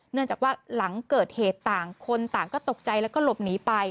เนื่องจากว่าหลังเกิดเหตุต่างคนต่างก็ตกใจแล้วก็หลบหนีไป